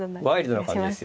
はい。